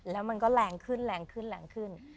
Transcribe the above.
และมันก็แรงขึ้น